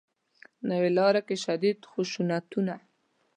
نوې لاره کې شدید خشونتونه